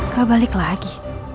gak balik lagi